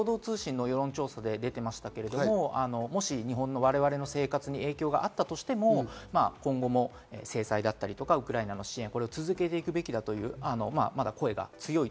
共同通信の世論調査で出てましたけど、もし日本の我々の生活に影響があったとしても今後も制裁だったり、ウクライナの支援を続けていくべきだという、まだ声が強い。